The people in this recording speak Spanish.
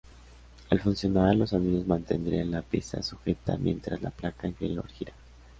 Al funcionar, los anillos mantendrían la pieza sujeta mientras la placa inferior gira.